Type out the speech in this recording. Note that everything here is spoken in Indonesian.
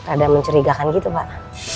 agak mencurigakan gitu pak